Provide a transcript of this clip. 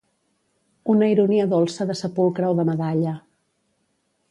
Una ironia dolça de sepulcre o de medalla.